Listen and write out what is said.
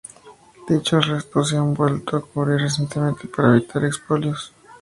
Dichos restos se han vuelto a cubrir recientemente para evitar expolios.